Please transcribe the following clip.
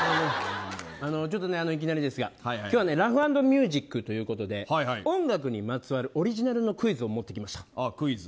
ちょっといきなりですが今日はラフ＆ミュージックということで音楽にまつわるオリジナルのクイズを持ってきました。